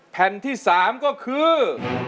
แผ่นที่๓ก็คือ